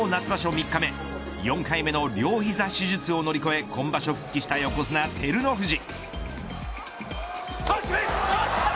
３日目４回目の両ひざ手術を乗り越え今場所復帰した横綱、照ノ富士。